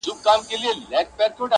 د ماهر فنکار د لاس مجسمه وه،